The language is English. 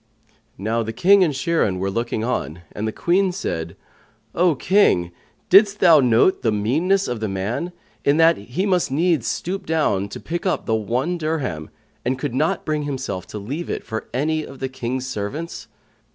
Now the King and Shirin were looking on, and the Queen said, "O King, didst thou note the meanness of the man, in that he must needs stoop down to pick up the one dirham, and could not bring himself to leave it for any of the King's servants?"